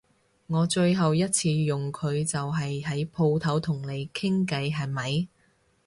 我最後一次用佢就係喺舖頭同你傾偈係咪？